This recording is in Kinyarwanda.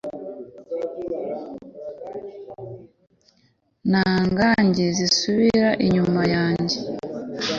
nta ngagi zisubira inyuma yanjye